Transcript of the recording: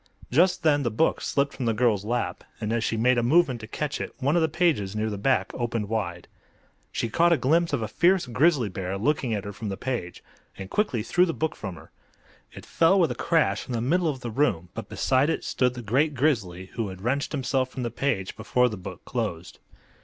Just then the book slipped from the girl's lap, and as she made a movement to catch it one of the pages near the back opened wide. She caught a glimpse of a fierce grizzly bear looking at her from the page, and quickly threw the book from her. It fell with a crash in the middle of the room, but beside it stood the great grizzly, who had wrenched himself from the page before the book closed.